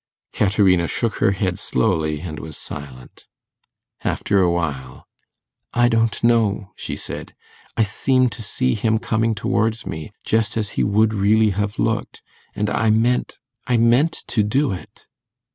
Caterina shook her head slowly, and was silent. After a while, 'I don't know,' she said; 'I seemed to see him coming towards me, just as he would really have looked, and I meant I meant to do it.